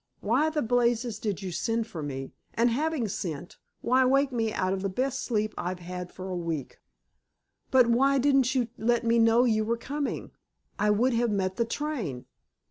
"Why the blazes did you send for me? And, having sent, why wake me out of the best sleep I've had for a week?" "But why didn't you let me know you were coming? I would have met the train."